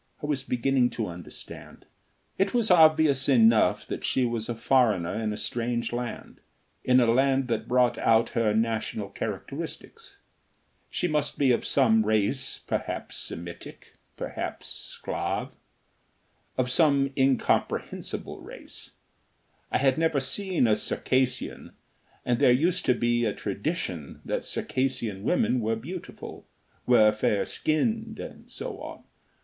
I was beginning to understand. It was obvious enough that she was a foreigner in a strange land, in a land that brought out her national characteristics. She must be of some race, perhaps Semitic, perhaps Sclav of some incomprehensible race. I had never seen a Circassian, and there used to be a tradition that Circassian women were beautiful, were fair skinned, and so on.